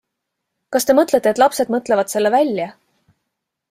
Kas te mõtlete, et lapsed mõtlevad selle välja?